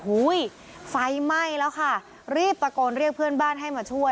ไฟไหม้แล้วค่ะรีบตะโกนเรียกเพื่อนบ้านให้มาช่วย